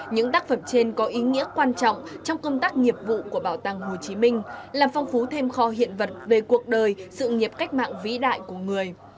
những tác phẩm trên có ý nghĩa quan trọng trong công tác nghiệp vụ của bảo tàng hồ chí minh làm phong phú thêm kho hiện vật về cuộc đời sự nghiệp cách mạng vĩ đại của người